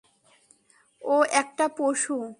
ও একটা পশু।